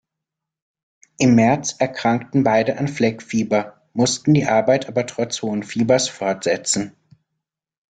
Im März erkrankten beide an Fleckfieber, mussten die Arbeit aber trotz hohen Fiebers fortsetzen.